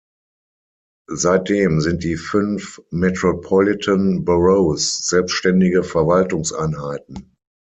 Seitdem sind die fünf Metropolitan Boroughs selbständige Verwaltungseinheiten.